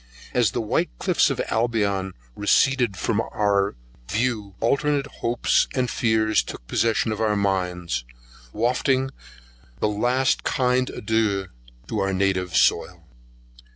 As the white cliffs of Albion receded from our view alternate hopes and fears took possession of our minds, wafting the last kind adieu to our native soil.